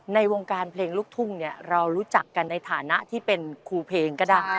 ในวงการเพลงลูกทุ่งเนี่ยเรารู้จักกันในฐานะที่เป็นครูเพลงก็ได้